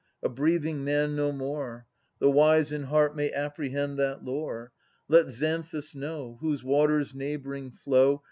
a breathing man, no more! The wise in heart may apprehend that lore. Let Xanthus know, Whose waters neighbouring flow.